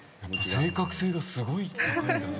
正確性がすごい高い。